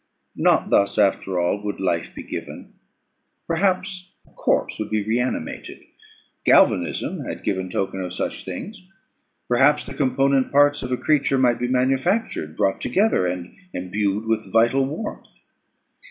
Not thus, after all, would life be given. Perhaps a corpse would be re animated; galvanism had given token of such things: perhaps the component parts of a creature might be manufactured, brought together, and endued with vital warmth.